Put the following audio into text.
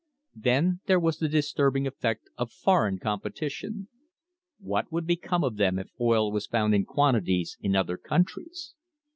Then there was the disturbing effect of foreign competition. What would become of them if oil was found in quantities in other countries?